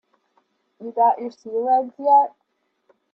You got your sea legs yet?